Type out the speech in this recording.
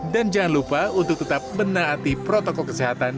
dan jangan lupa untuk tetap menaati protokol kesehatan